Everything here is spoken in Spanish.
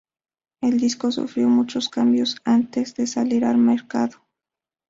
El disco sufrió muchos cambios antes de salir al mercado.